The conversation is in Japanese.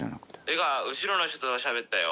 「後ろの人としゃべったよ。